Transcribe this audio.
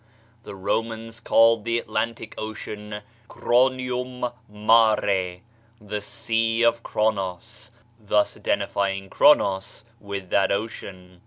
The Romans called the Atlantic Ocean "Chronium Mare," the Sea of Chronos, thus identifying Chronos with that ocean.